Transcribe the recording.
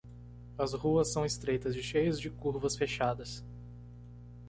As ruas são estreitas e cheias de curvas fechadas.